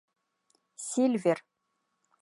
Сильвер!